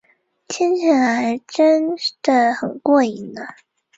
听起来真得很过瘾呢